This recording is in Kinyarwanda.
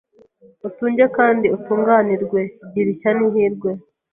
utunge kandi utunganirwe, gira ishya n’ihirwe